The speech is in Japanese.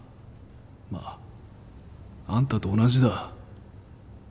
まああんたと同じだ。